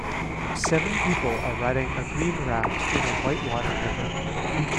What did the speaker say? seven people are riding a green raft in a white water river.